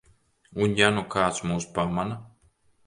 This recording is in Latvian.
Un ja nu kāds mūs pamana?